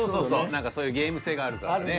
何かそういうゲーム性があるからね。